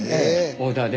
オーダーで。